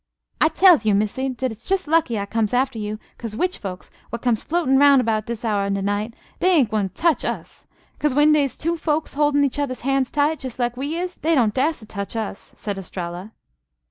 "I tells you, Missy, dat it's jes' lucky I comes after you, cos' witch folks, w'at comes floatin' 'roun' 'bout dis hour of de night, dey ain't gwine to tech us; cos' when dey's two folks holdin' each other hands tight, jes' like we is, dey don't dast to tech us," said Estralla.